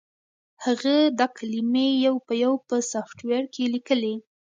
هغه دا کلمې یو په یو په سافټویر کې لیکلې